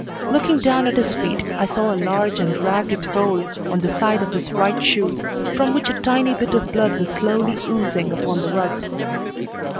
Looking down at his feet, I saw a large and ragged hole on the side of his right shoe from which a tiny bit of blood was slowly oozing upon the rug.